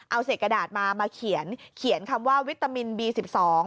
เอาเศษกระดาษมามาเขียนเขียนคำว่าวิตามินบีสิบสอง